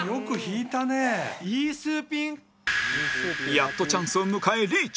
やっとチャンスを迎えリーチ！